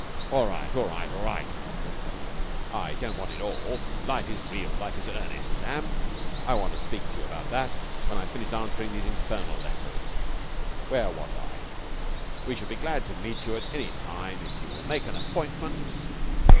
"All right, all right, all right!" said Sir Mallaby. "I don't want it all. Life is real! Life is earnest, Sam. I want to speak to you about that when I've finished answering these infernal letters. Where was I? 'We should be glad to meet you at any time, if you will make an appointment...'